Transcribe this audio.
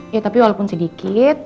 ya tapi walaupun sedikit